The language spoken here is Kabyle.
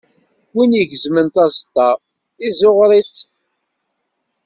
Win igezmen taseṭṭa, izzuɣer-itt.